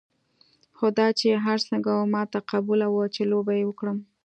خو دا چې هر څنګه وه ما ته قبوله وه چې لوبه یې وکړم.